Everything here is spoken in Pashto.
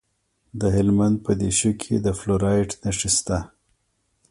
د هلمند په دیشو کې د فلورایټ نښې شته.